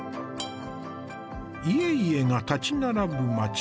家々が立ち並ぶ町。